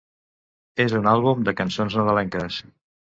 És un àlbum de cançons nadalenques.